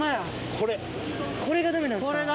これがダメなんですか。